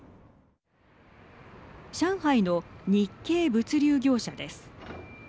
上海の日系物流業者です。